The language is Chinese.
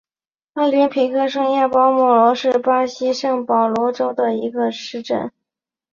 奥林匹亚圣保罗是巴西圣保罗州的一个市镇。